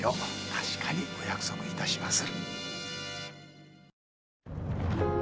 確かにお約束いたします。